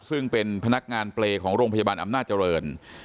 ซึ่งเป็นพนักงานเปรย์ของโรงพยาบาลอำนาจเจริญ